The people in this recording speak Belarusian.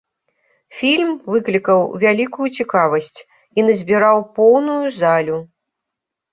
Фільм выклікаў вялікую цікавасць і назбіраў поўную залю.